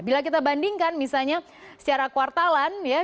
bila kita bandingkan misalnya secara kuartalan ya